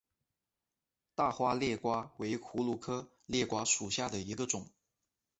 大花裂瓜为葫芦科裂瓜属下的一个种。